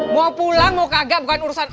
mau pulang mau kagak bukan urusan